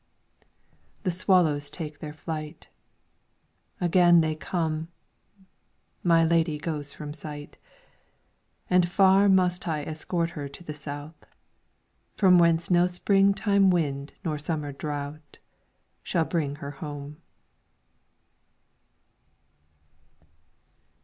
The swallows take their flight, Again they come. My lady goes from sight ; And far must I escort her to the South, From whence no spring time wind nor summer drouth Shall bring her home.